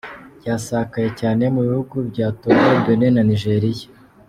Ryasakaye cyane mu bihugu bya Togo, Benin na Nigeria.